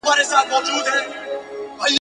زما په غاړه یې دا تروم را ځړولی !.